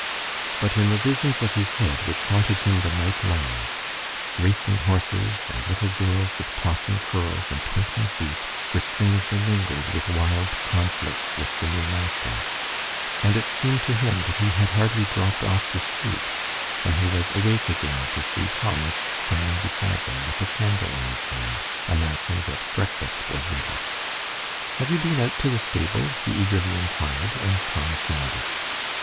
But in the visions of his head which haunted him the night long, racing horses and little girls with tossing curls and twinkling feet were strangely mingled with wild conflicts with the new master; and it seemed to him that he had hardly dropped off to sleep, when he was awake again to see Thomas standing beside him with a candle in his hand, announcing that breakfast was ready. "Have you been out to the stable?" he eagerly inquired, and Thomas nodded.